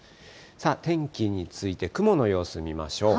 天気について雲の様子見ましょう。